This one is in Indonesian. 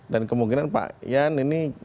dan kemungkinan pak yan ini